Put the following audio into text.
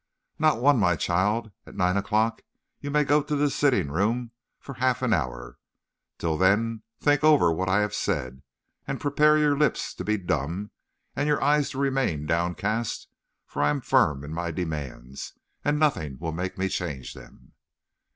"Not one, my child. At nine o'clock you may go to the sitting room for a half hour. Till then, think over what I have said, and prepare your lips to be dumb and your eyes to remain downcast; for I am firm in my demands, and nothing will make me change them."